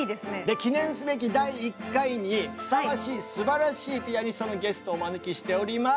記念すべき第１回にふさわしいすばらしいピアニストのゲストをお招きしております！